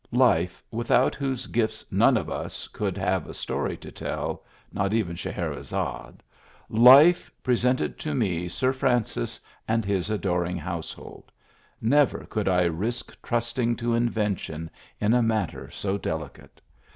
Life, without whose gifts none of us could have a story to tell — not even Scheherezadfe — life presented to me Sir Francis and his adoring household. Never could I risk trusting to invention in a matter so deli cate.